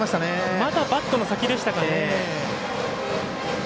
まだバットの先でしたか。